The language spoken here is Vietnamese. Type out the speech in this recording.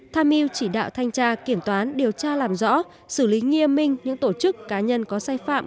tham mưu chỉ đạo thanh tra kiểm toán điều tra làm rõ xử lý nghiêm minh những tổ chức cá nhân có sai phạm